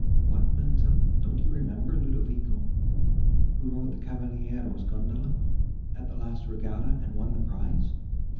"What, ma'amselle, don't you remember Ludovico—who rowed the Cavaliero's gondola, at the last regatta, and won the prize?